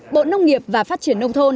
bộ nông nghiệp và phát triển nông thôn